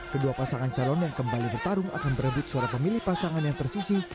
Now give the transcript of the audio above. kedua pasangan calon yang kembali bertarung akan berebut suara pemilih pasangan yang tersisi